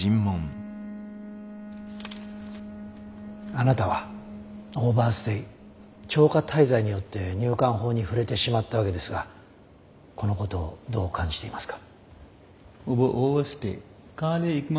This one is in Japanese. あなたはオーバーステイ超過滞在によって入管法に触れてしまったわけですがこのことをどう感じていますか？